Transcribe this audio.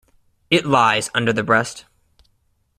It lies under the breast.